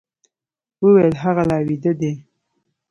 وويل هغه لا ويده دی.